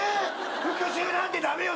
復讐なんて駄目よ